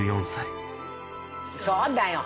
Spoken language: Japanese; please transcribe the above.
そうだよ。